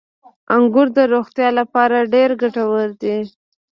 • انګور د روغتیا لپاره ډېر ګټور دي.